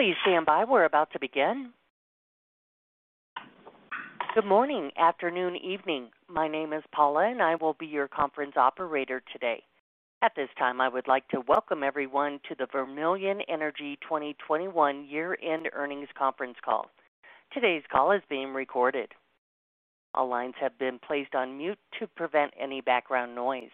Good morning, afternoon, evening. My name is Paula, and I will be your conference operator today. At this time, I would like to welcome everyone to the Vermilion Energy 2021 Year-End Earnings Conference Call. Today's call is being recorded. All lines have been placed on mute to prevent any background noise.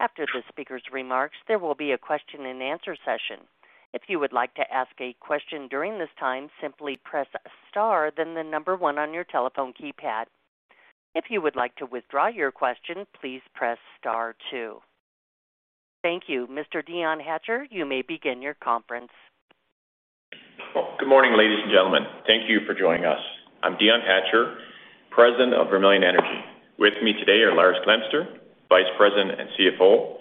After the speaker's remarks, there will be a question-and-answer session. If you would like to ask a question during this time, simply press star, then the number one on your telephone keypad. If you would like to withdraw your question, please press star two. Thank you. Mr. Dion Hatcher, you may begin your conference. Good morning, ladies and gentlemen. Thank you for joining us. I'm Dion Hatcher, President of Vermilion Energy. With me today are Lars Glemser, Vice President and CFO,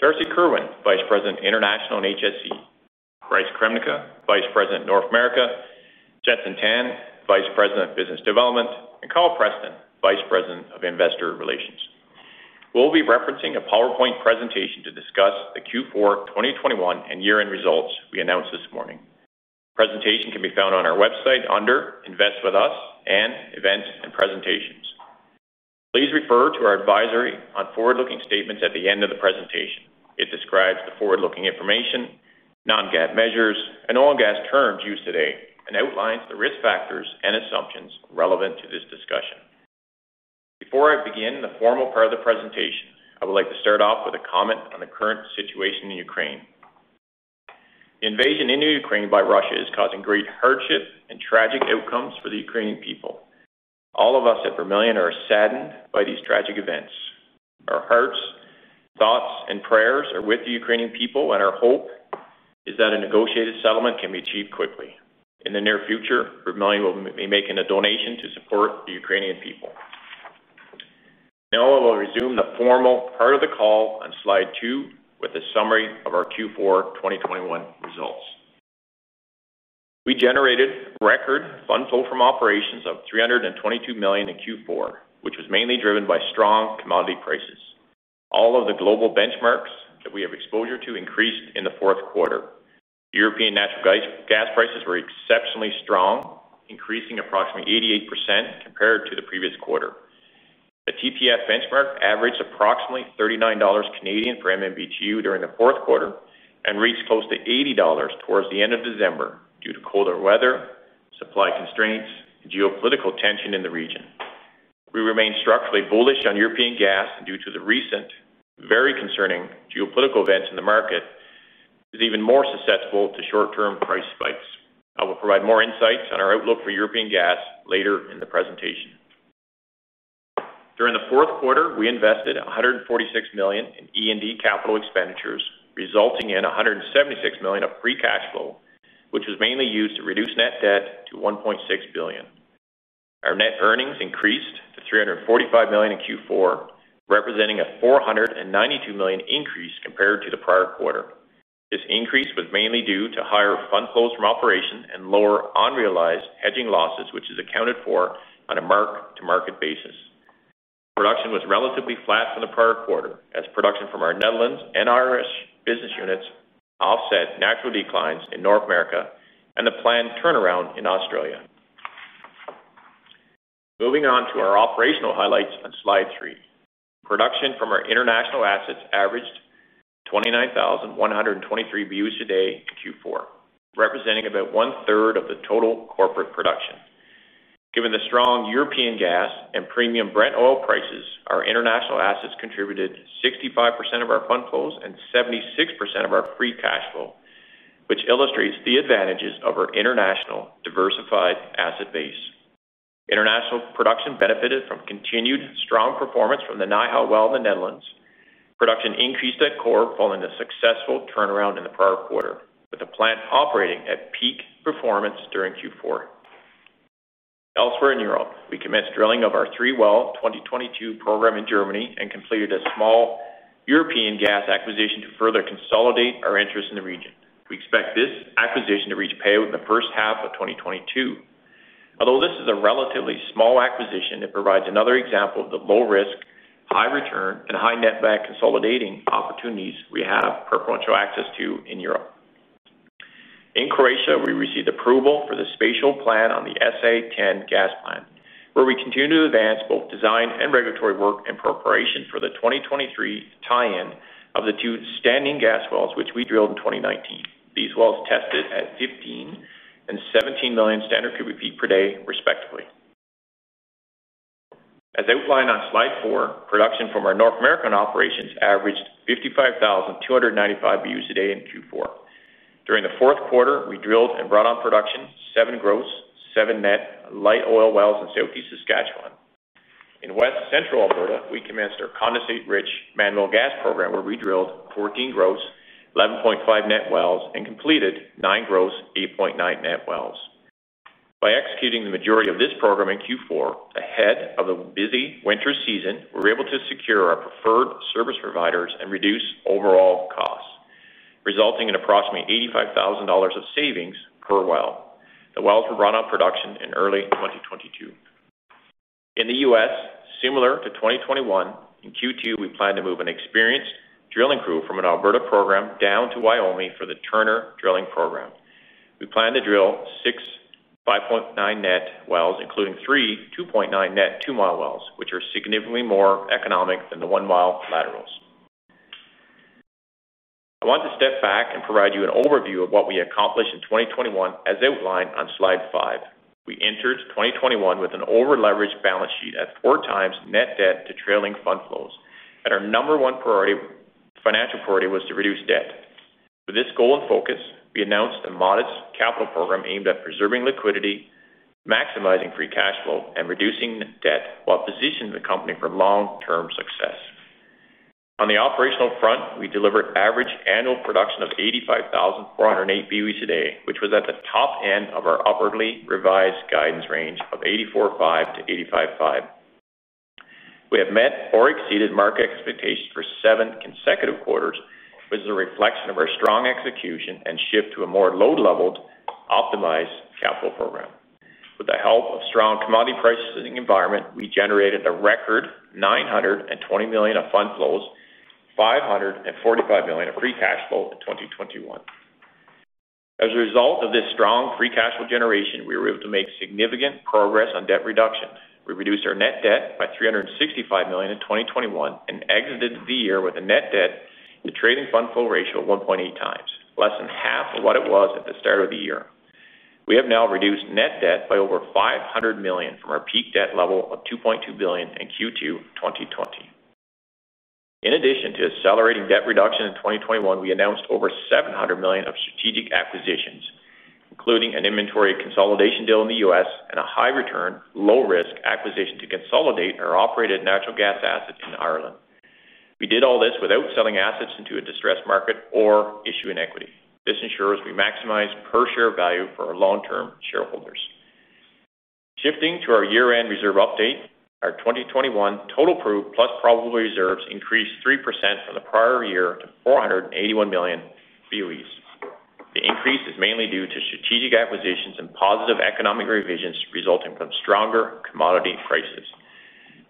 Darcy Kerwin, Vice President, International and HSE, Bryce Kremnica, Vice President, North America, Jenson Tan, Vice President of Business Development, and Kyle Preston, Vice President of Investor Relations. We'll be referencing a PowerPoint presentation to discuss the Q4 2021 and year-end results we announced this morning. Presentation can be found on our website under Invest With Us and Events and Presentations. Please refer to our advisory on forward-looking statements at the end of the presentation. It describes the forward-looking information, non-GAAP measures, and oil and gas terms used today and outlines the risk factors and assumptions relevant to this discussion. Before I begin the formal part of the presentation, I would like to start off with a comment on the current situation in Ukraine. The invasion into Ukraine by Russia is causing great hardship and tragic outcomes for the Ukrainian people. All of us at Vermilion are saddened by these tragic events. Our hearts, thoughts, and prayers are with the Ukrainian people, and our hope is that a negotiated settlement can be achieved quickly. In the near future, Vermilion will be making a donation to support the Ukrainian people. Now, I will resume the formal part of the call on slide two with a summary of our Q4 2021 results. We generated record fund flow from operations of 322 million in Q4, which was mainly driven by strong commodity prices. All of the global benchmarks that we have exposure to increased in the fourth quarter. European natural gas gas prices were exceptionally strong, increasing approximately 88% compared to the previous quarter. The TTF benchmark averaged approximately 39 Canadian dollars per MMBtu during the fourth quarter and reached close to 80 dollars towards the end of December due to colder weather, supply constraints, and geopolitical tension in the region. We remain structurally bullish on European gas and due to the recent very concerning geopolitical events in the market is even more susceptible to short-term price spikes. I will provide more insights on our outlook for European gas later in the presentation. During the fourth quarter, we invested 146 million in E&D capital expenditures, resulting in 176 million of free cash flow, which was mainly used to reduce net debt to 1.6 billion. Our net earnings increased to 345 million in Q4, representing a 492 million increase compared to the prior quarter. This increase was mainly due to higher funds flow from operations and lower unrealized hedging losses, which is accounted for on a mark-to-market basis. Production was relatively flat from the prior quarter as production from our Netherlands and Irish business units offset natural declines in North America and the planned turnaround in Australia. Moving on to our operational highlights on slide three. Production from our international assets averaged 29,123 BOEs a day in Q4, representing about one-third of the total corporate production. Given the strong European gas and premium Brent oil prices, our international assets contributed 65% of our funds flow and 76% of our free cash flow, which illustrates the advantages of our international diversified asset base. International production benefited from continued strong performance from the Nijega Well in the Netherlands. Production increased at Corrib following the successful turnaround in the prior quarter, with the plant operating at peak performance during Q4. Elsewhere in Europe, we commenced drilling of our three-well 2022 program in Germany and completed a small European gas acquisition to further consolidate our interest in the region. We expect this acquisition to reach pay within the first half of 2022. Although this is a relatively small acquisition, it provides another example of the low risk, high return, and high netback consolidating opportunities we have preferential access to in Europe. In Croatia, we received approval for the spatial plan on the SA-10 gas plant, where we continue to advance both design and regulatory work in preparation for the 2023 tie-in of the two standing gas wells, which we drilled in 2019. These wells tested at 15 and 17 million standard cubic feet per day, respectively. As outlined on slide four, production from our North American operations averaged 55,295 BOEs a day in Q4. During the fourth quarter, we drilled and brought on production seven gross, seven net light oil wells in southeast Saskatchewan. In west-central Alberta, we commenced our condensate-rich Mannville gas program, where we drilled 14 gross, 11.5 net wells and completed nine gross, 8.9 net wells. By executing the majority of this program in Q4 ahead of the busy winter season, we're able to secure our preferred service providers and reduce overall costs, resulting in approximately 85 thousand dollars of savings per well. The wells were run on production in early 2022. In the U.S., similar to 2021, in Q2, we plan to move an experienced drilling crew from an Alberta program down to Wyoming for the Turner drilling program. We plan to drill 6-5.9 net wells, including 3-2.9 net 2-mile wells, which are significantly more economic than the 1-mile laterals. I want to step back and provide you an overview of what we accomplished in 2021 as outlined on slide five. We entered 2021 with an over-leveraged balance sheet at 4x net debt to trailing fund flows, and our number one priority, financial priority, was to reduce debt. With this goal in focus, we announced a modest capital program aimed at preserving liquidity, maximizing free cash flow, and reducing debt, while positioning the company for long-term success. On the operational front, we delivered average annual production of 85,408 BOE a day, which was at the top end of our upwardly revised guidance range of 84.5-85.5. We have met or exceeded market expectations for seven consecutive quarters, which is a reflection of our strong execution and shift to a more load-leveled, optimized capital program. With the help of strong commodity pricing environment, we generated a record 920 million in funds flow, 545 million of free cash flow in 2021. As a result of this strong free cash flow generation, we were able to make significant progress on debt reduction. We reduced our net debt by 365 million in 2021 and exited the year with a net debt to trailing funds flow ratio of 1.8 times, less than half of what it was at the start of the year. We have now reduced net debt by over 500 million from our peak debt level of 2.2 billion in Q2 2020. In addition to accelerating debt reduction in 2021, we announced over 700 million of strategic acquisitions, including an inventory consolidation deal in the U.S. and a high return, low risk acquisition to consolidate our operated natural gas assets in Ireland. We did all this without selling assets into a distressed market or issuing equity. This ensures we maximize per share value for our long-term shareholders. Shifting to our year-end reserve update, our 2021 total proved plus probable reserves increased 3% from the prior year to 481 million BOEs. The increase is mainly due to strategic acquisitions and positive economic revisions resulting from stronger commodity prices.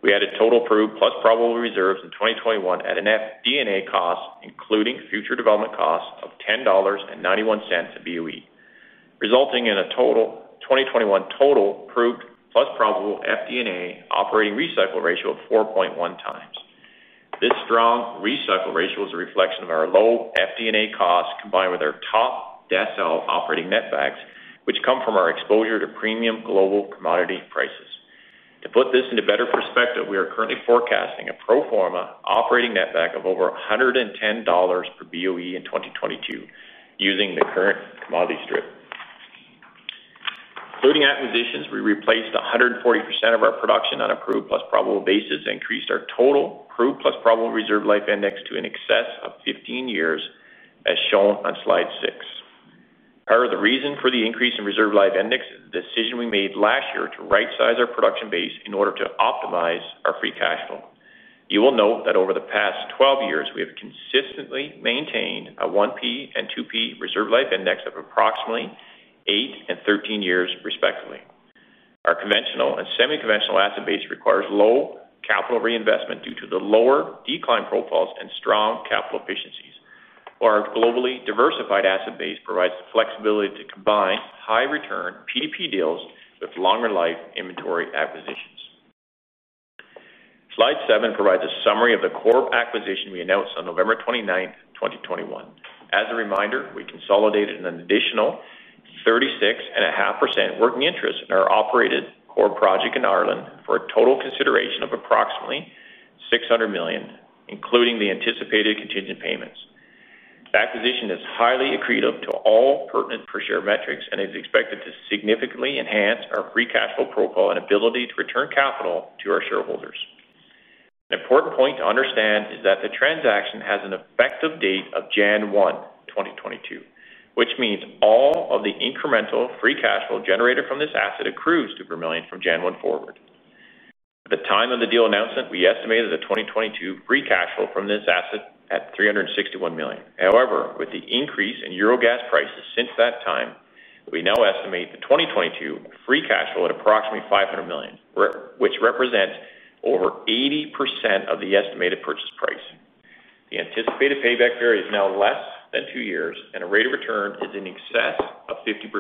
We added total proved plus probable reserves in 2021 at an FD&A cost, including future development costs, of 10.91 dollars a BOE, resulting in a total 2021 total proved plus probable FD&A operating recycle ratio of 4.1x. This strong recycle ratio is a reflection of our low FD&A cost, combined with our top decile operating netbacks, which come from our exposure to premium global commodity prices. To put this into better perspective, we are currently forecasting a pro forma operating netback of over 110 dollars per BOE in 2022 using the current commodity strip. Including acquisitions, we replaced 140% of our production on a proved plus probable basis, increased our total proved plus probable reserve life index to in excess of 15 years, as shown on slide six. Part of the reason for the increase in reserve life index is the decision we made last year to right-size our production base in order to optimize our free cash flow. You will note that over the past 12 years, we have consistently maintained a 1P and 2P reserve life index of approximately eight and 13 years, respectively. Our conventional and semi-conventional asset base requires low capital reinvestment due to the lower decline profiles and strong capital efficiencies, while our globally diversified asset base provides the flexibility to combine high return PDP deals with longer life inventory acquisitions. Slide seven provides a summary of the Corrib acquisition we announced on November 29, 2021. As a reminder, we consolidated an additional 36.5% working interest in our operated Corrib project in Ireland for a total consideration of approximately 600 million, including the anticipated contingent payments. The acquisition is highly accretive to all pertinent per share metrics and is expected to significantly enhance our free cash flow profile and ability to return capital to our shareholders. An important point to understand is that the transaction has an effective date of January 1, 2022, which means all of the incremental free cash flow generated from this asset accrues to Vermilion from January 1 forward. At the time of the deal announcement, we estimated the 2022 free cash flow from this asset at 361 million. However, with the increase in Euro gas prices since that time, we now estimate the 2022 free cash flow at approximately 500 million, which represents over 80% of the estimated purchase price. The anticipated payback period is now less than two years, and a rate of return is in excess of 50%,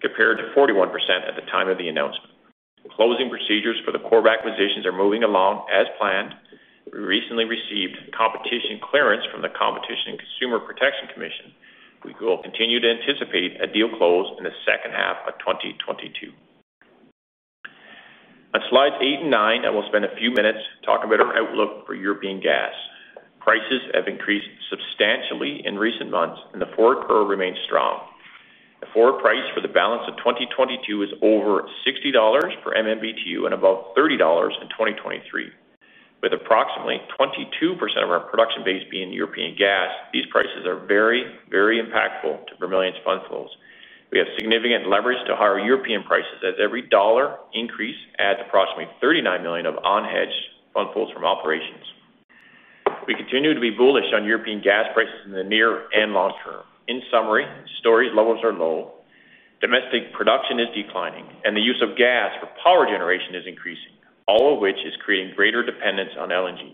compared to 41% at the time of the announcement. The closing procedures for the Corrib acquisitions are moving along as planned. We recently received competition clearance from the Competition and Consumer Protection Commission. We will continue to anticipate a deal close in the second half of 2022. On slides eight and nine, I will spend a few minutes talking about our outlook for European gas. Prices have increased substantially in recent months and the forward curve remains strong. The forward price for the balance of 2022 is over 60 dollars per MMBtu and above 30 dollars in 2023. With approximately 22% of our production base being European gas, these prices are very, very impactful to Vermilion's fund flows. We have significant leverage to higher European prices as every dollar increase adds approximately 39 million of unhedged fund flows from operations. We continue to be bullish on European gas prices in the near and long term. In summary, storage levels are low, domestic production is declining, and the use of gas for power generation is increasing, all of which is creating greater dependence on LNG.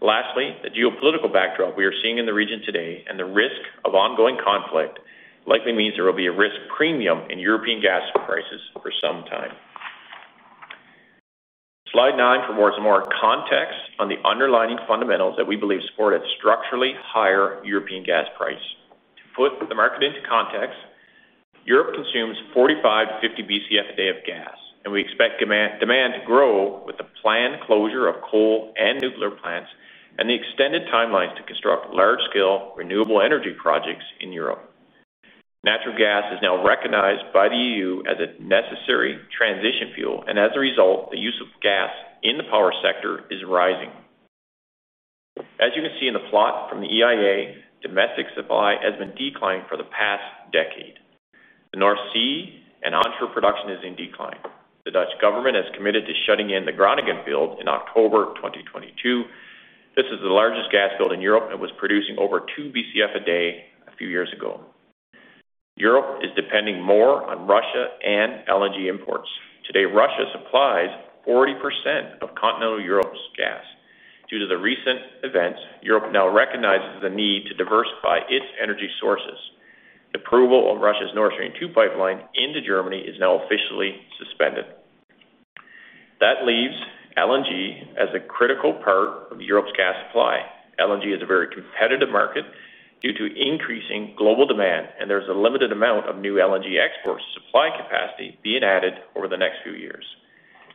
Lastly, the geopolitical backdrop we are seeing in the region today and the risk of ongoing conflict likely means there will be a risk premium in European gas prices for some time. Slide nine provides more context on the underlying fundamentals that we believe support a structurally higher European gas price. To put the market into context, Europe consumes 45-50 BCF a day of gas, and we expect demand to grow with the planned closure of coal and nuclear plants and the extended timelines to construct large-scale renewable energy projects in Europe. Natural gas is now recognized by the EU as a necessary transition fuel, and as a result, the use of gas in the power sector is rising. As you can see in the plot from the EIA, domestic supply has been declining for the past decade. The North Sea and onshore production is in decline. The Dutch government has committed to shutting in the Groningen field in October 2022. This is the largest gas field in Europe, and it was producing over two BCF a day a few years ago. Europe is depending more on Russia and LNG imports. Today, Russia supplies 40% of continental Europe's gas. Due to the recent events, Europe now recognizes the need to diversify its energy sources. The approval of Russia's Nord Stream two pipeline into Germany is now officially suspended. That leaves LNG as a critical part of Europe's gas supply. LNG is a very competitive market due to increasing global demand, and there's a limited amount of new LNG export supply capacity being added over the next few years.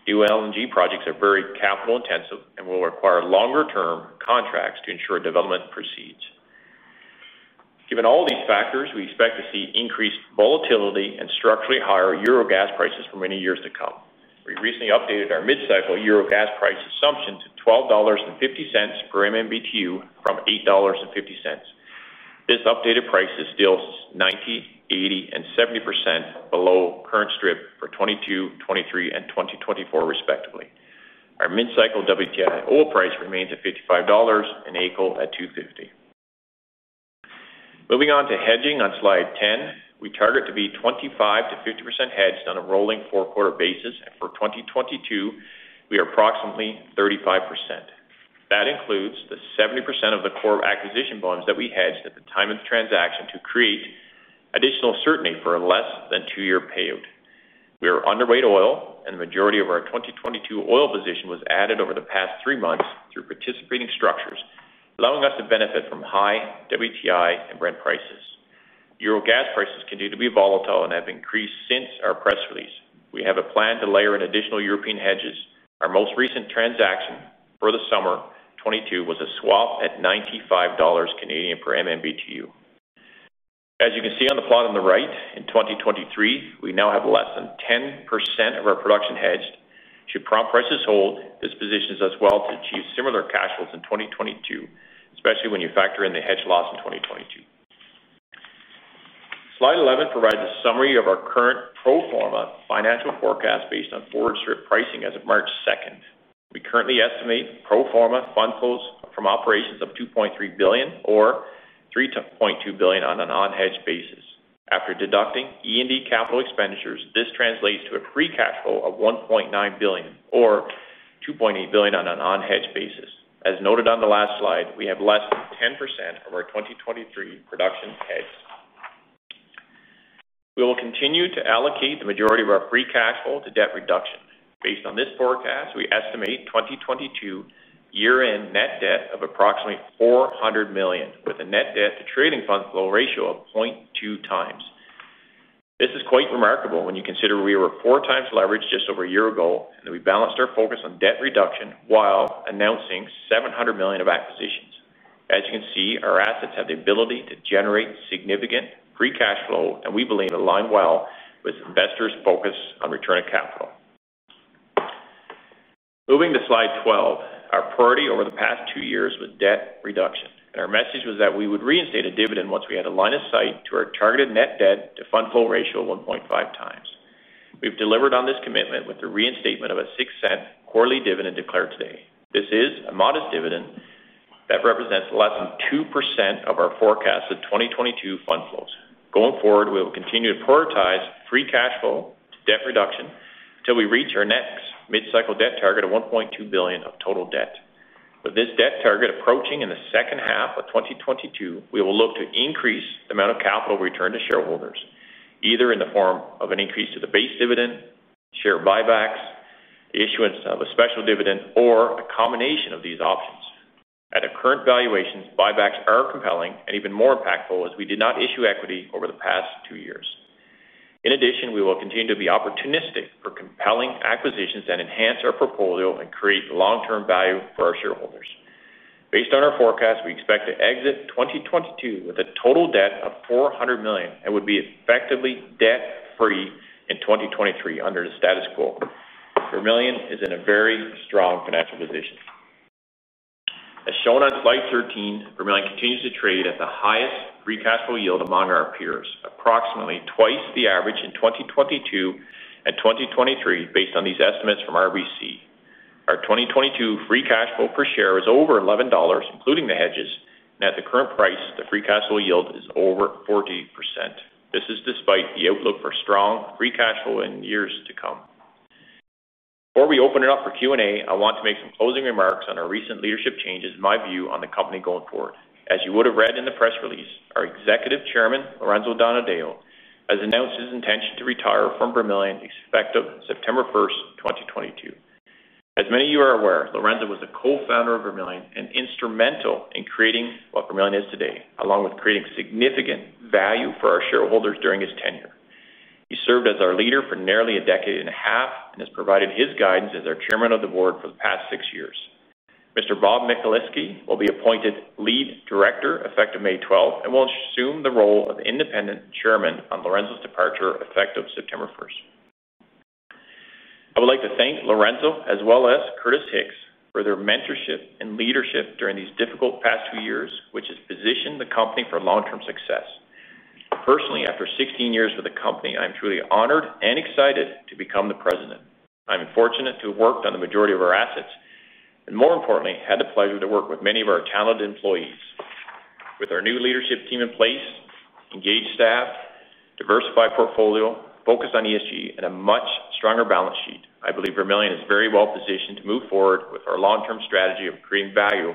New LNG projects are very capital-intensive and will require longer-term contracts to ensure development proceeds. Given all these factors, we expect to see increased volatility and structurally higher euro gas prices for many years to come. We recently updated our mid-cycle Euro gas price assumption to 12.50 dollars per MMBtu from 8.50 dollars. This updated price is still 90%, 80%, and 70% below current strip for 2022, 2023, and 2024, respectively. Our mid-cycle WTI oil price remains at 55 dollars and AECO at 2.50. Moving on to hedging on slide 10. We target to be 25%-50% hedged on a rolling four-quarter basis. For 2022, we are approximately 35%. That includes the 70% of the core acquisition bonds that we hedged at the time of the transaction to create additional certainty for a less than two-year payout. We are underweight oil, and the majority of our 2022 oil position was added over the past three months through participating structures, allowing us to benefit from high WTI and Brent prices. European gas prices continue to be volatile and have increased since our press release. We have a plan to layer in additional European hedges. Our most recent transaction for the summer 2022 was a swap at 95 Canadian dollars per MMBtu. As you can see on the plot on the right, in 2023, we now have less than 10% of our production hedged. Should spot prices hold, this positions us well to achieve similar cash flows in 2023, especially when you factor in the hedge loss in 2022. Slide 11 provides a summary of our current pro forma financial forecast based on forward strip pricing as of March 2. We currently estimate pro forma fund flows from operations of 2.3 billion or 3.0 billion-2.0 billion on an unhedged basis. After deducting E&D capital expenditures, this translates to a free cash flow of 1.9 billion or 2.8 billion on an unhedged basis. As noted on the last slide, we have less than 10% of our 2023 production hedged. We will continue to allocate the majority of our free cash flow to debt reduction. Based on this forecast, we estimate 2022 year-end net debt of approximately 400 million, with a net debt to trailing funds flow ratio of 0.2x. This is quite remarkable when you consider we were 4x leverage just over a year ago, and we balanced our focus on debt reduction while announcing 700 million of acquisitions. As you can see, our assets have the ability to generate significant free cash flow, and we believe align well with investors' focus on return of capital. Moving to slide 12. Our priority over the past two years was debt reduction, and our message was that we would reinstate a dividend once we had a line of sight to our targeted net debt to funds flow ratio of 1.5 times. We've delivered on this commitment with the reinstatement of a 0.06 quarterly dividend declared today. This is a modest dividend that represents less than 2% of our forecast of 2022 funds flows. Going forward, we will continue to prioritize free cash flow to debt reduction till we reach our next mid-cycle debt target of 1.2 billion of total debt. With this debt target approaching in the second half of 2022, we will look to increase the amount of capital returned to shareholders, either in the form of an increase to the base dividend, share buybacks, issuance of a special dividend, or a combination of these options. At current valuations, buybacks are compelling and even more impactful as we did not issue equity over the past two years. In addition, we will continue to be opportunistic for compelling acquisitions that enhance our portfolio and create long-term value for our shareholders. Based on our forecast, we expect to exit 2022 with a total debt of 400 million and would be effectively debt-free in 2023 under the status quo. Vermilion is in a very strong financial position. As shown on slide 13, Vermilion continues to trade at the highest free cash flow yield among our peers, approximately twice the average in 2022 and 2023 based on these estimates from RBC. Our 2022 free cash flow per share is over 11 dollars, including the hedges, and at the current price, the free cash flow yield is over 40%. This is despite the outlook for strong free cash flow in years to come. Before we open it up for Q&A, I want to make some closing remarks on our recent leadership changes and my view on the company going forward. As you would have read in the press release, our Executive Chairman, Lorenzo Donadeo, has announced his intention to retire from Vermilion effective September first, 2022. As many of you are aware, Lorenzo was a co-founder of Vermilion and instrumental in creating what Vermilion is today, along with creating significant value for our shareholders during his tenure. He served as our leader for nearly a decade and a half and has provided his guidance as our Chairman of the Board for the past six years. Mr. Bob Michaleski will be appointed lead director effective May 12 and will assume the role of independent chairman on Lorenzo's departure effective September 1. I would like to thank Lorenzo as well as Curtis Hicks for their mentorship and leadership during these difficult past two years, which has positioned the company for long-term success. Personally, after 16 years with the company, I am truly honored and excited to become the president. I'm fortunate to have worked on the majority of our assets and more importantly, had the pleasure to work with many of our talented employees. With our new leadership team in place, engaged staff, diversified portfolio, focused on ESG, and a much stronger balance sheet, I believe Vermilion is very well positioned to move forward with our long-term strategy of creating value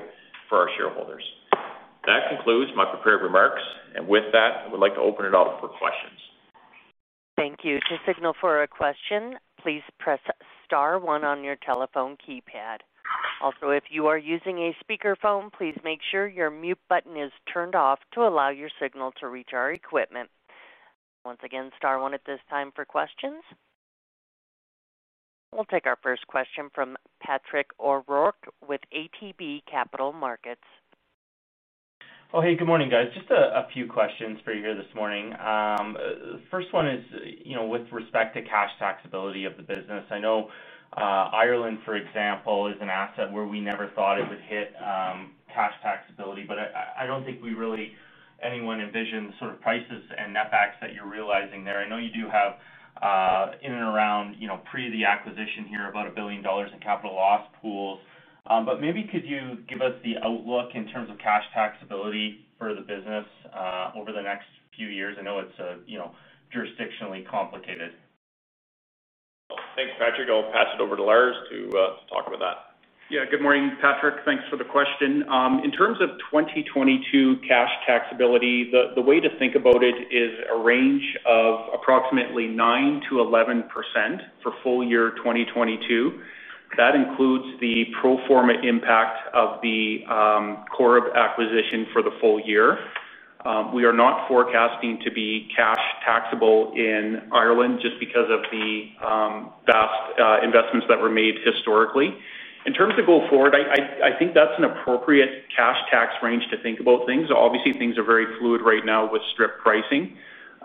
for our shareholders. That concludes my prepared remarks. With that, I would like to open it up for questions. Thank you. To signal for a question, please press star one on your telephone keypad. Also, if you are using a speakerphone, please make sure your mute button is turned off to allow your signal to reach our equipment. Once again, star one at this time for questions. We'll take our first question from Patrick O'Rourke with ATB Capital Markets. Oh, hey, good morning, guys. Just a few questions for you here this morning. First one is, you know, with respect to cash taxability of the business. I know, Ireland, for example, is an asset where we never thought it would hit cash taxability, but I don't think anyone really envisioned sort of prices and netbacks that you're realizing there. I know you do have, in and around, you know, pre the acquisition here about 1 billion dollars in capital loss pools. But maybe could you give us the outlook in terms of cash taxability for the business, over the next few years? I know it's, you know, jurisdictionally complicated. Thanks, Patrick. I'll pass it over to Lars to talk about that. Yeah. Good morning, Patrick. Thanks for the question. In terms of 2022 cash taxability, the way to think about it is a range of approximately 9%-11% for full year 2022. That includes the pro forma impact of the Corrib acquisition for the full year. We are not forecasting to be cash taxable in Ireland just because of the vast investments that were made historically. In terms of go forward, I think that's an appropriate cash tax range to think about things. Obviously, things are very fluid right now with strip pricing.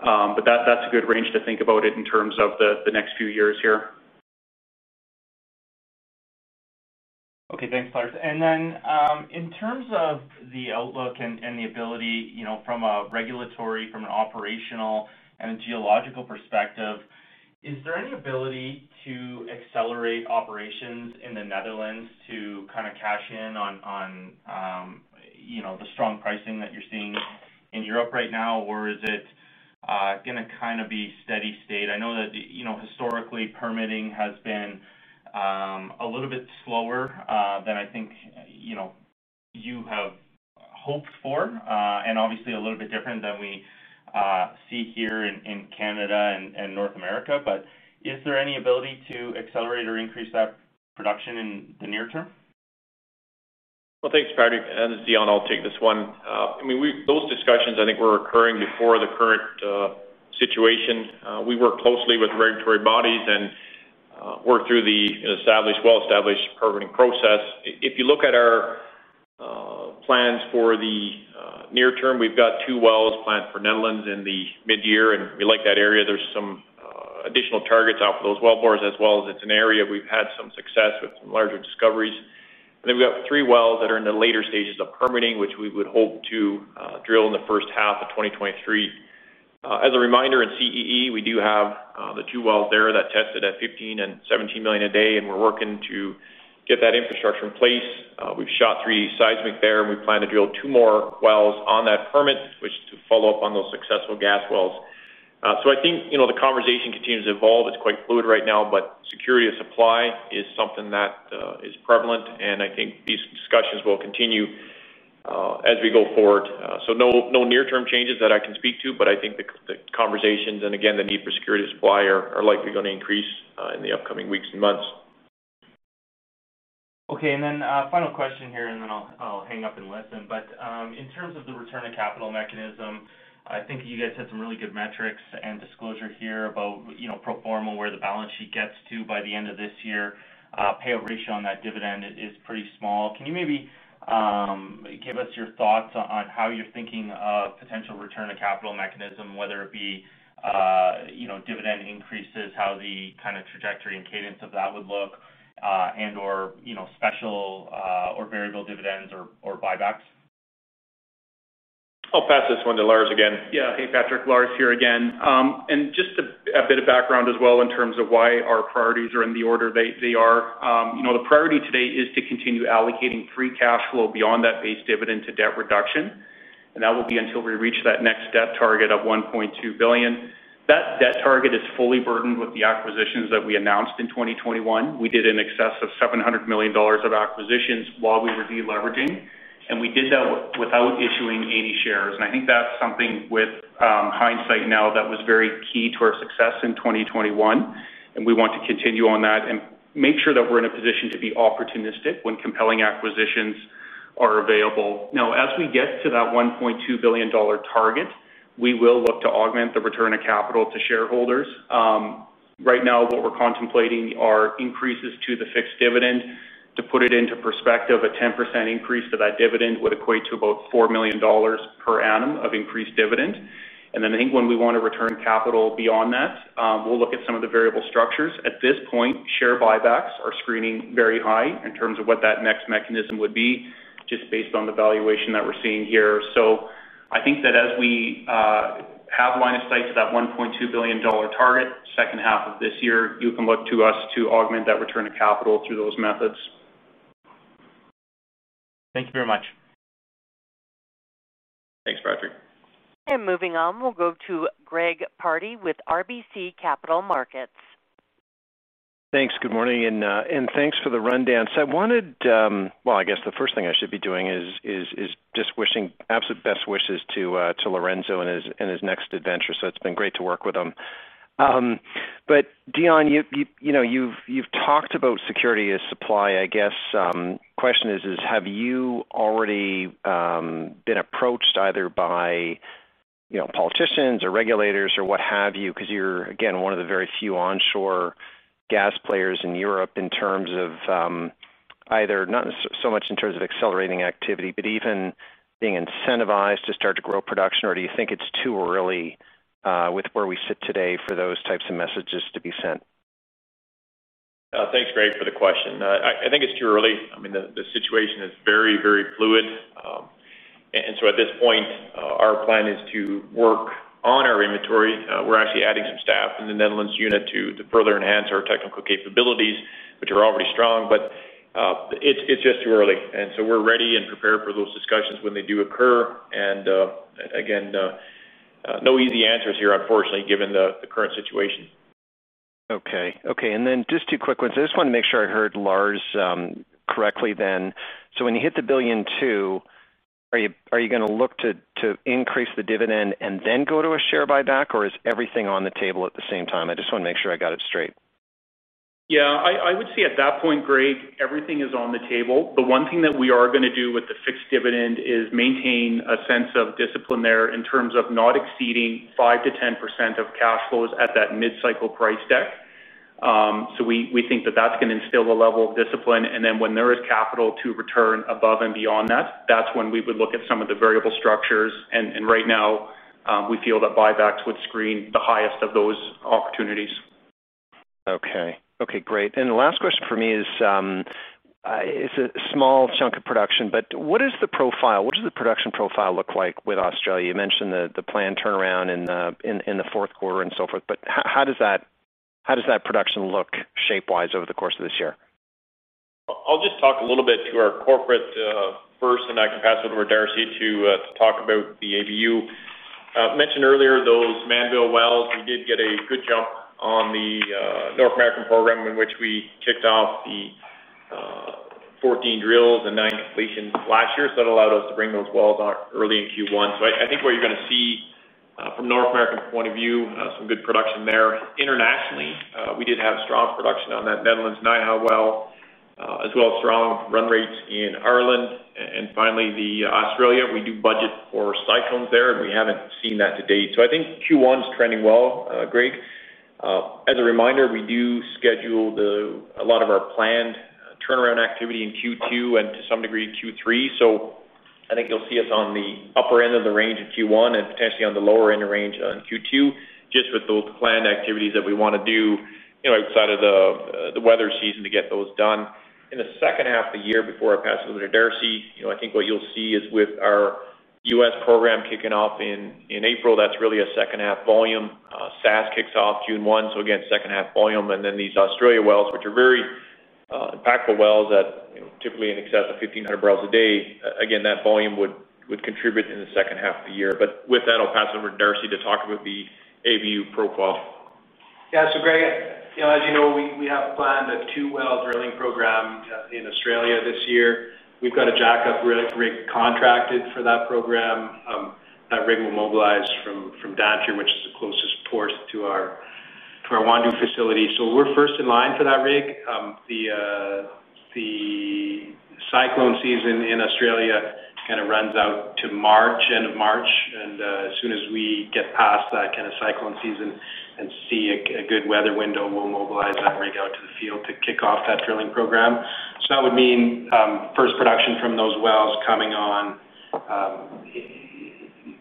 But that's a good range to think about it in terms of the next few years here. Okay. Thanks, Lars. Then, in terms of the outlook and the ability, you know, from a regulatory, from an operational, and a geological perspective, is there any ability to accelerate operations in the Netherlands to kind of cash in on, you know, the strong pricing that you're seeing in Europe right now? Or is it gonna kinda be steady state? I know that, you know, historically, permitting has been a little bit slower than I think, you know, you have hoped for, and obviously a little bit different than we see here in Canada and North America. Is there any ability to accelerate or increase that production in the near term? Well, thanks, Patrick. This is Dion. I'll take this one. I mean, those discussions, I think, were occurring before the current situation. We work closely with regulatory bodies and work through the well-established permitting process. If you look at our plans for the near term, we've got two wells planned for Netherlands in the mid-year, and we like that area. There's some additional targets off those wellbores as well as it's an area we've had some success with some larger discoveries. Then we have three wells that are in the later stages of permitting, which we would hope to drill in the first half of 2023. As a reminder, in CEE, we do have the two wells there that tested at 15 and 17 million a day, and we're working to get that infrastructure in place. We've shot 3D seismic there, and we plan to drill two more wells on that permit, which to follow up on those successful gas wells. I think, you know, the conversation continues to evolve. It's quite fluid right now, but security of supply is something that is prevalent, and I think these discussions will continue as we go forward. No near-term changes that I can speak to, but I think the conversations and again, the need for security of supply are likely gonna increase in the upcoming weeks and months. Okay. Final question here, then I'll hang up and listen. In terms of the return of capital mechanism, I think you guys had some really good metrics and disclosure here about, you know, pro forma, where the balance sheet gets to by the end of this year. Payout ratio on that dividend is pretty small. Can you maybe give us your thoughts on how you're thinking of potential return of capital mechanism, whether it be, you know, dividend increases, how the kind of trajectory and cadence of that would look, and/or, you know, special, or variable dividends or buybacks? I'll pass this one to Lars again. Yeah. Hey, Patrick. Lars here again. Just a bit of background as well in terms of why our priorities are in the order they are. You know, the priority today is to continue allocating free cash flow beyond that base dividend to debt reduction, and that will be until we reach that next debt target of 1.2 billion. That debt target is fully burdened with the acquisitions that we announced in 2021. We did in excess of 700 million dollars of acquisitions while we were de-leveraging, and we did that without issuing any shares. I think that's something with hindsight now that was very key to our success in 2021, and we want to continue on that and make sure that we're in a position to be opportunistic when compelling acquisitions are available. Now, as we get to that 1.2 billion dollar target, we will look to augment the return of capital to shareholders. Right now, what we're contemplating are increases to the fixed dividend. To put it into perspective, a 10% increase to that dividend would equate to about 4 million dollars per annum of increased dividend. I think when we wanna return capital beyond that, we'll look at some of the variable structures. At this point, share buybacks are screening very high in terms of what that next mechanism would be, just based on the valuation that we're seeing here. I think that as we have line of sight to that 1.2 billion dollar target, second half of this year, you can look to us to augment that return of capital through those methods. Thank you very much. Thanks, Patrick. Moving on, we'll go to Greg Pardy with RBC Capital Markets. Thanks. Good morning, and thanks for the rundown. I wanted. Well, I guess, the first thing I should be doing is just wishing absolute best wishes to Lorenzo in his next adventure. It's been great to work with him. Dion, you know, you've talked about security of supply. I guess, question is, have you already been approached either by, you know, politicians or regulators or what have you? 'Cause you're, again, one of the very few onshore gas players in Europe in terms of either not so much in terms of accelerating activity, but even being incentivized to start to grow production. Do you think it's too early with where we sit today for those types of messages to be sent? Thanks, Greg, for the question. I think it's too early. I mean, the situation is very, very fluid. Our plan is to work on our inventory. We're actually adding some staff in the Netherlands unit to further enhance our technical capabilities, which are already strong. It's just too early. We're ready and prepared for those discussions when they do occur. Again, no easy answers here, unfortunately, given the current situation. Okay. Just two quick ones. I just want to make sure I heard Lars correctly then. When you hit 1.2 billion, are you going to look to increase the dividend and then go to a share buyback, or is everything on the table at the same time? I just want to make sure I got it straight. Yeah. I would say at that point, Greg, everything is on the table. The one thing that we are gonna do with the fixed dividend is maintain a sense of discipline there in terms of not exceeding 5%-10% of cash flows at that mid-cycle price deck. We think that that's gonna instill a level of discipline. Right now, we feel that buybacks would screen the highest of those opportunities. Okay, great. The last question for me is, it's a small chunk of production, but what is the profile? What does the production profile look like with Australia? You mentioned the planned turnaround in the fourth quarter and so forth, but how does that production look shape-wise over the course of this year? I'll just talk a little bit to our corporate first, and I can pass it over to Darcy to talk about the ABU. Mentioned earlier those Mannville wells, we did get a good jump on the North American program in which we kicked off the 14 drills and nine completions last year. That allowed us to bring those wells on early in Q1. I think what you're gonna see from North American point of view some good production there. Internationally, we did have strong production on that Netherlands Nijega well, as well as strong run rates in Ireland. And finally, the Australia, we do budget for cyclones there, and we haven't seen that to date. I think Q1's trending well, Greg. As a reminder, we do schedule a lot of our planned turnaround activity in Q2 and to some degree in Q3. I think you'll see us on the upper end of the range in Q1 and potentially on the lower end of the range in Q2, just with those planned activities that we wanna do, you know, outside of the weather season to get those done. In the second half of the year before I pass it over to Darcy, you know, I think what you'll see is with our U.S. program kicking off in April, that's really a second half volume. Sask kicks off June 1, again, second half volume. These Australia wells, which are very impactful wells, you know, typically in excess of 1,500 barrels a day, again, that volume would contribute in the second half of the year. With that, I'll pass it over to Darcy to talk about the ABU profile. Yeah. Greg, you know, as you know, we have planned a two-well drilling program in Australia this year. We've got a jackup rig contracted for that program. That rig will mobilize from Darwin, which is the closest port to our Wandoo facility. We're first in line for that rig. The cyclone season in Australia kinda runs out to March, end of March. As soon as we get past that kinda cyclone season and see a good weather window, we'll mobilize that rig out to the field to kick off that drilling program. That would mean first production from those wells coming on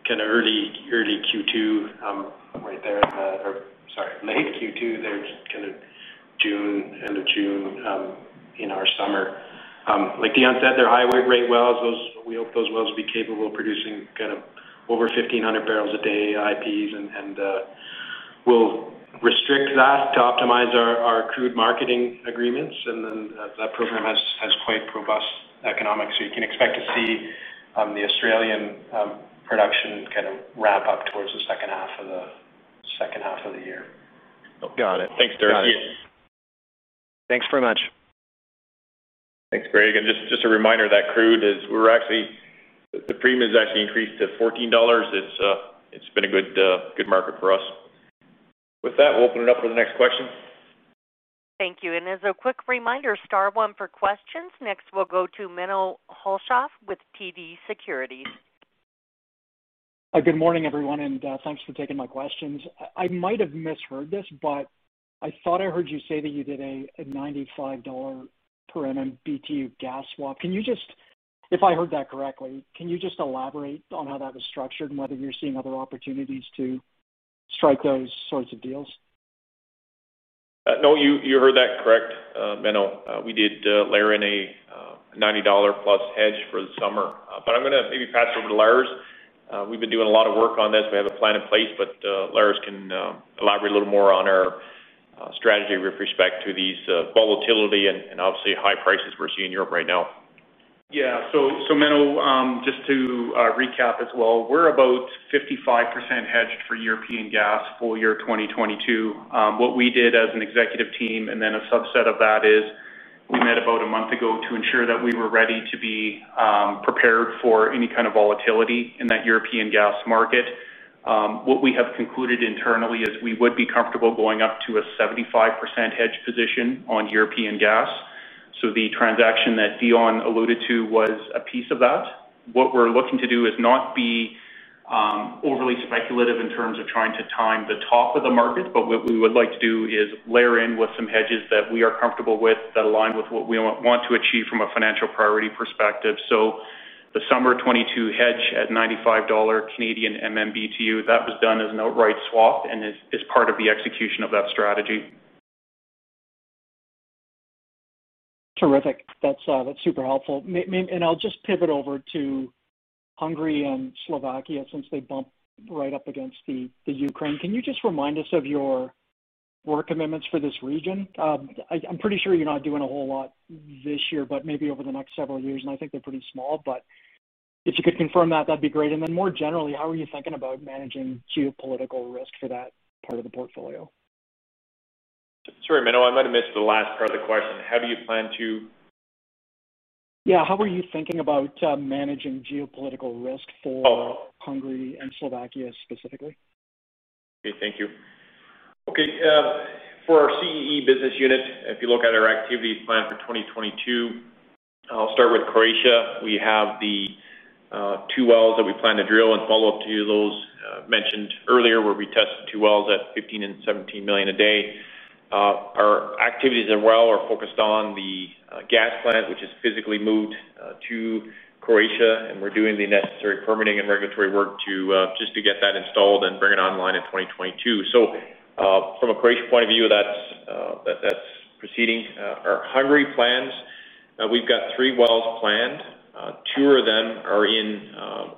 kinda early Q2 right there. Or sorry, late Q2. They're just gonna, June, end of June in our summer. Like Dion said, they're high rate wells. We hope those wells will be capable of producing kind of over 1,500 barrels a day IPs, and we'll restrict that to optimize our crude marketing agreements. That program has quite robust economics. You can expect to see the Australian production kind of wrap up towards the second half of the year. Got it. Thanks, Darcy. Yeah. Thanks very much. Thanks, Greg, and just a reminder that the premium has actually increased to 14 dollars. It's been a good market for us. With that, we'll open it up for the next question. Thank you, and as a quick reminder, star one for questions. Next, we'll go to Menno Hulshof with TD Securities. Good morning, everyone, and thanks for taking my questions. I might have misheard this, but I thought I heard you say that you did a 95 dollar per MMBtu gas swap. If I heard that correctly, can you just elaborate on how that was structured and whether you're seeing other opportunities to strike those sorts of deals? No, you heard that correct, Menno. We did layer in a 90+ dollar hedge for the summer. I'm gonna maybe pass over to Lars. We've been doing a lot of work on this. We have a plan in place, but Lars can elaborate a little more on our strategy with respect to these volatility and obviously high prices we're seeing in Europe right now. Menno, just to recap as well, we're about 55% hedged for European gas full year 2022. What we did as an executive team, and then a subset of that is we met about a month ago to ensure that we were ready to be prepared for any kind of volatility in that European gas market. What we have concluded internally is we would be comfortable going up to a 75% hedge position on European gas. The transaction that Dion alluded to was a piece of that. What we're looking to do is not be overly speculative in terms of trying to time the top of the market, but what we would like to do is layer in with some hedges that we are comfortable with, that align with what we want to achieve from a financial priority perspective. The summer 2022 hedge at 95 Canadian dollars MMBtu, that was done as an outright swap and is part of the execution of that strategy. Terrific. That's super helpful. I'll just pivot over to Hungary and Slovakia since they bump right up against the Ukraine. Can you just remind us of your work commitments for this region? I'm pretty sure you're not doing a whole lot this year, but maybe over the next several years, and I think they're pretty small, but if you could confirm that'd be great. Then more generally, how are you thinking about managing geopolitical risk for that part of the portfolio? Sorry, Menno, I might have missed the last part of the question. How do you plan to? Yeah. How are you thinking about managing geopolitical risk for- Oh. Hungary and Slovakia specifically? Okay, thank you. For our CEE business unit, if you look at our activities planned for 2022, I'll start with Croatia. We have the two wells that we plan to drill and follow up to those mentioned earlier, where we tested two wells at 15 and 17 million a day. Our activities. Well, are focused on the gas plant, which is physically moved to Croatia, and we're doing the necessary permitting and regulatory work to just to get that installed and bring it online in 2022. From a Croatia point of view, that's proceeding. Our Hungary plans, we've got three wells planned. Two of them are in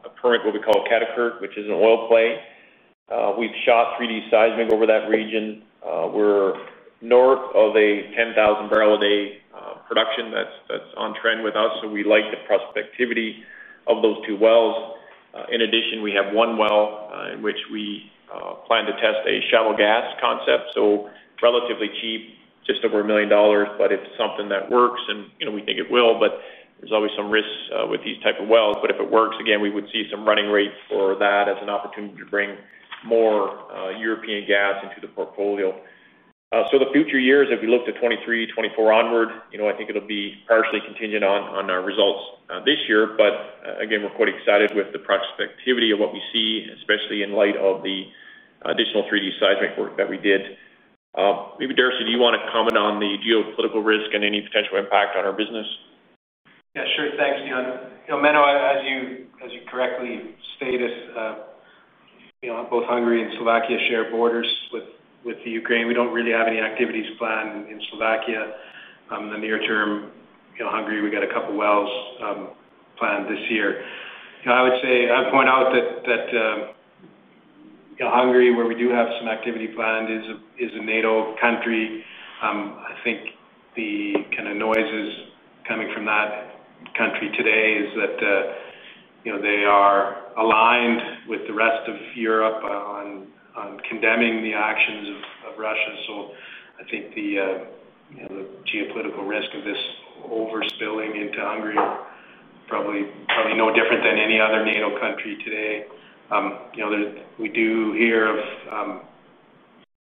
a permit what we call Kadarkút, which is an oil play. We've shot 3D seismic over that region. We're north of 10,000 barrels a day production that's on trend with us, so we like the prospectivity of those two wells. In addition, we have one well in which we plan to test a shallow gas concept. It's relatively cheap, just over 1 million dollars, but it's something that works and, you know, we think it will, but there's always some risks with these type of wells. If it works, again, we would see some running rates for that as an opportunity to bring more European gas into the portfolio. The future years, if you looked at 2023, 2024 onward, you know, I think it'll be partially contingent on our results this year. Again, we're quite excited with the prospectivity of what we see, especially in light of the additional 3D seismic work that we did. Maybe, Darcy, do you wanna comment on the geopolitical risk and any potential impact on our business? Yeah, sure. Thanks, Dion. You know, Menno, as you correctly stated, you know, both Hungary and Slovakia share borders with the Ukraine. We don't really have any activities planned in Slovakia in the near term. You know, Hungary, we got a couple wells planned this year. You know, I would point out that, you know, Hungary, where we do have some activity planned, is a NATO country. I think the kind of noises coming from that country today is that, you know, they are aligned with the rest of Europe on condemning the actions of Russia. I think the, you know, the geopolitical risk of this overspilling into Hungary are probably no different than any other NATO country today. We do hear of,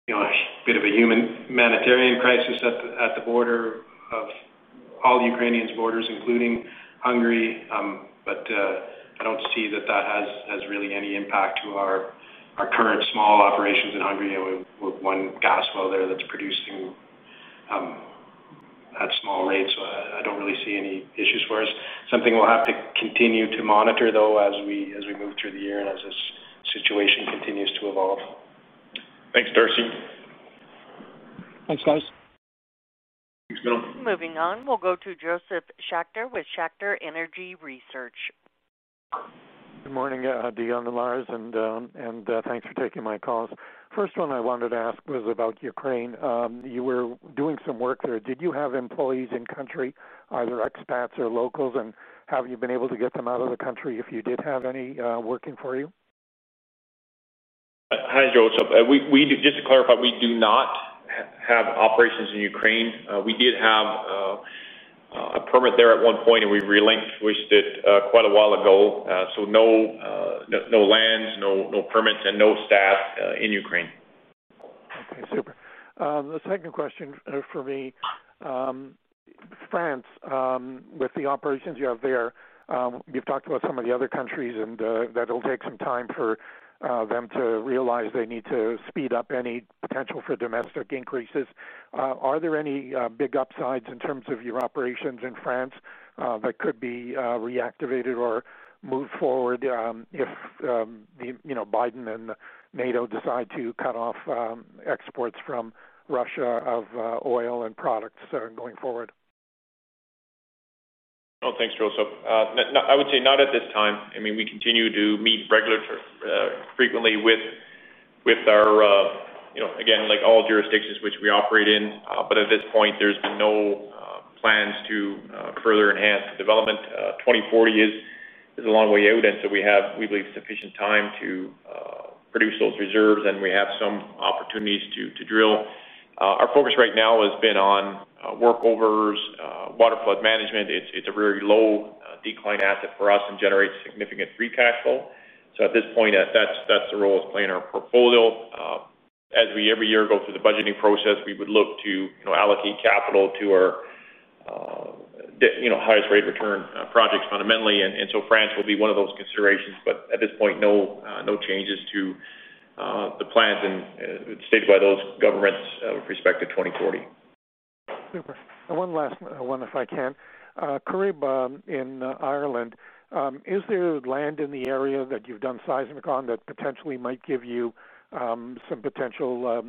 you know, a bit of a humanitarian crisis at the border of all Ukraine's borders, including Hungary. I don't see that has really any impact to our current small operations in Hungary with one gas well there that's producing at small rates. I don't really see any issues for us. Something we'll have to continue to monitor though, as we move through the year and as this situation continues to evolve. Thanks, Darcy. Thanks, guys. Moving on, we'll go to Josef Schachter with Schachter Energy Research. Good morning, Dion and Lars, and thanks for taking my calls. First one I wanted to ask was about Ukraine. You were doing some work there. Did you have employees in country, either expats or locals? Have you been able to get them out of the country if you did have any working for you? Hi, Joe, what's up? Just to clarify, we do not have operations in Ukraine. We did have a permit there at one point, and we relinquished it quite a while ago. No lands, no permits, and no staff in Ukraine. Okay, super. The second question for me, France, with the operations you have there, you've talked about some of the other countries and that it'll take some time for them to realize they need to speed up any potential for domestic increases. Are there any big upsides in terms of your operations in France that could be reactivated or moved forward, if you know, Biden and NATO decide to cut off exports from Russia of oil and products going forward? Oh, thanks, Josef. I would say not at this time. I mean, we continue to meet frequently with our you know. Again, like all jurisdictions which we operate in, but at this point, there's been no plans to further enhance the development. 2040 is a long way out, and so we have, we believe, sufficient time to produce those reserves, and we have some opportunities to drill. Our focus right now has been on workovers, waterflood management. It's a very low decline asset for us and generates significant free cash flow. At this point, that's the role it's playing in our portfolio. As we every year go through the budgeting process, we would look to, you know, allocate capital to our, the, you know, highest rate return projects fundamentally. France will be one of those considerations. At this point, no changes to the plans and as stated by those governments with respect to 2040. Super. One last one, if I can. Corrib in Ireland, is there land in the area that you've done seismic on that potentially might give you some potential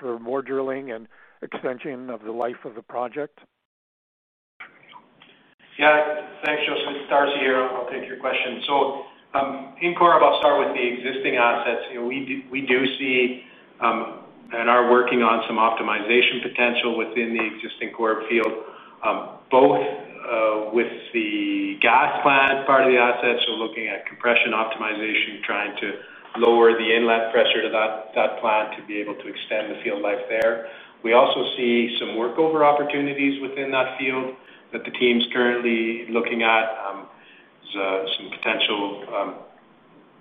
for more drilling and extension of the life of the project? Yeah. Thanks, Josef. It's Darcy here. I'll take your question. In Corrib, I'll start with the existing assets. You know, we see and are working on some optimization potential within the existing Corrib field, both with the gas plant part of the asset, looking at compression optimization, trying to lower the inlet pressure to that plant to be able to extend the field life there. We also see some workover opportunities within that field that the team's currently looking at. There's some potential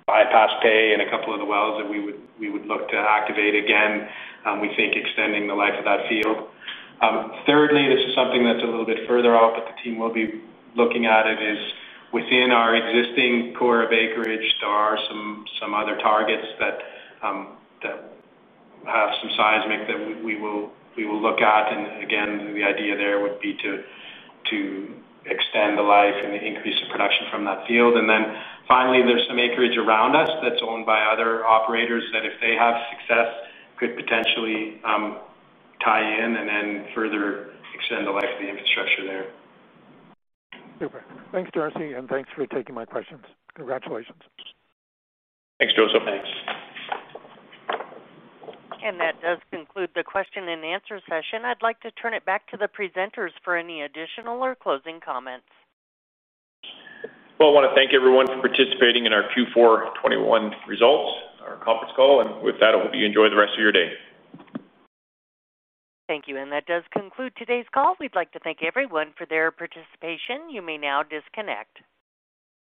bypass pay in a couple of the wells that we would look to activate again, we think extending the life of that field. Thirdly, this is something that's a little bit further out, but the team will be looking at it: within our existing Corrib acreage, there are some other targets that have some seismic that we will look at. Again, the idea there would be to extend the life and increase the production from that field. Finally, there's some acreage around us that's owned by other operators that if they have success, could potentially tie in and then further extend the life of the infrastructure there. Super. Thanks, Darcy, and thanks for taking my questions. Congratulations. Thanks, Josef. Thanks. That does conclude the question and answer session. I'd like to turn it back to the presenters for any additional or closing comments. Well, I wanna thank everyone for participating in our Q4 2021 results, our conference call. With that, I hope you enjoy the rest of your day. Thank you. That does conclude today's call. We'd like to thank everyone for their participation. You may now disconnect.